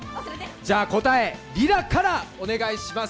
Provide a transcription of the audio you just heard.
じゃあ答え莉良からお願いします。